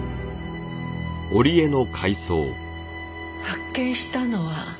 発見したのは。